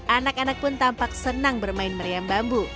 anak anak pun tampak senang bermain meriam bambu